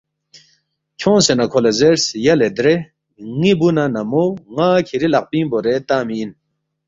کھیونگسے نہ کھو لہ زیرس، ”یلے درے ن٘ی بُو نہ نمو ن٘ا کِھری لقپِنگ بورے تنگمی اِن